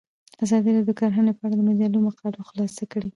ازادي راډیو د کرهنه په اړه د مجلو مقالو خلاصه کړې.